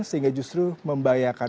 sehingga justru membahayakan